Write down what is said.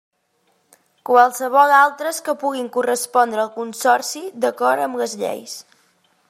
Qualssevol altres que puguin correspondre al Consorci, d'acord amb les lleis.